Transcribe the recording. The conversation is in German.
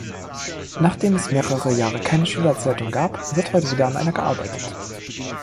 Nachdem es mehrere Jahre keine Schülerzeitung gab, wird heute wieder an einer gearbeitet.